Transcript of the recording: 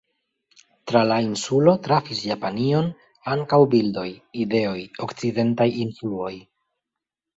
Tra la insulo trafis Japanion ankaŭ bildoj, ideoj, okcidentaj influoj.